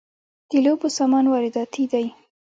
د لوبو سامان وارداتی دی؟